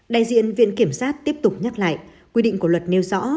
đại diện viện kiểm sát tiếp tục nhắc lại quy định của luật nêu rõ